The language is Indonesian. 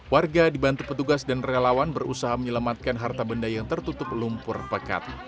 warga dibantu petugas dan relawan berusaha menyelamatkan harta benda yang tertutup lumpur pekat